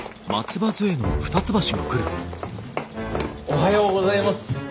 おはようございます。